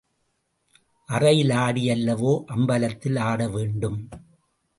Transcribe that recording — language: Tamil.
அறையில் ஆடி அல்லவோ அம்பலத்தில் ஆடவேண்டும்?